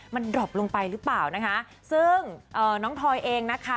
มันดรอปลงไปหรือเปล่านะคะซึ่งเอ่อน้องทอยเองนะคะ